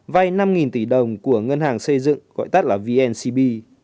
vay năm tỷ đồng của ngân hàng xây dựng gọi tắt là vncb